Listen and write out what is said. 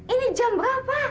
ini jam berapa